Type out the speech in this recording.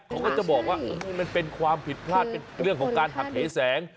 เขาก็จะบอกว่ามันเป็นความผิดพลาดเป็นเรื่องของการหักเหแสง